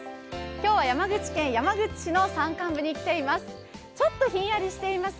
今日は山口県山口市の山間部に来ています。